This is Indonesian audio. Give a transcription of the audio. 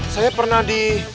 saya pernah di